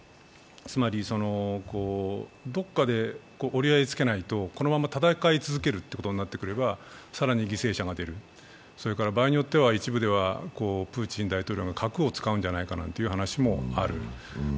つまりどっかで折り合いつけないとこのまんま戦い続けることになってくれば、更に犠牲者が出る、それから場合によっては一部ではプーチン大統領が核を使うのではないかという話もある。